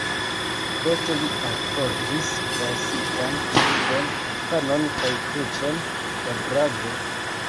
Poste li alportis brasikan supon, panon kaj kruĉon da "brago".